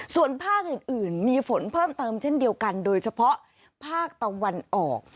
ส่วนภาคอื่นมีฝนเพิ่มเติมเช่นเดียวกันโดยเฉพาะภาคตะวันออก